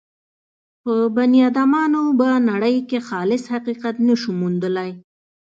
په بني ادمانو به نړۍ کې خالص حقیقت نه شو موندلای.